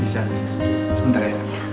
bisa sebentar ya